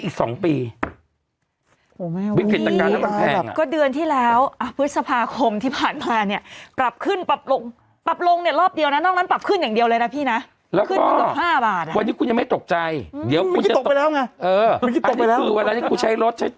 บอกเลิกทำเรื่องแต่งโมได้แล้วมันเครียด